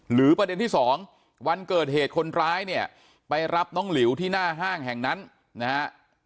ประเด็นที่สองวันเกิดเหตุคนร้ายเนี่ยไปรับน้องหลิวที่หน้าห้างแห่งนั้นนะฮะ